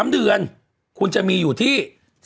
๓เดือนคุณจะมีอยู่ที่